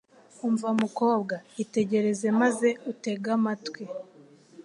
Umva mukobwa itegereze maze utege amatwi